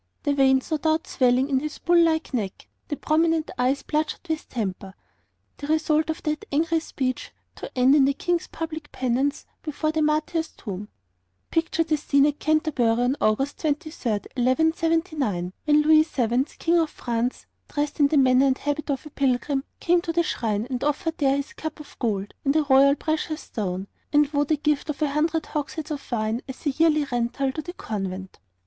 the veins no doubt swelling on his bull like neck, the prominent eyes bloodshot with temper, the result of that angry speech, to end in the King's public penance before the martyr's tomb. Picture the scene at Canterbury on August 23, 1179, when Louis VII., King of France, dressed in the manner and habit of a pilgrim, came to the shrine and offered there his cup of gold and a royal precious stone, and vowed a gift of a hundred hogsheads of wine as a yearly rental to the convent.